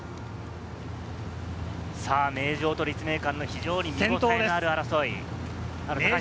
名城と立命館の非常に気になる争い。